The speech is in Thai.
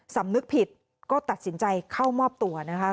สำนึกผิดก็ตัดสินใจเข้ามอบตัวนะคะ